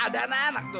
ada anak anak tuh